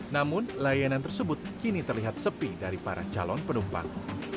namun layanan tersebut kini terlihat sepi dari para calon penumpang